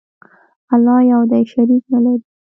الله یو دی، شریک نه لري.